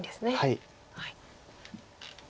はい。